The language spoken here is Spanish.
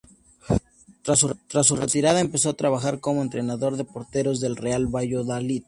Tras su retirada, empezó a trabajar como entrenador de porteros del Real Valladolid.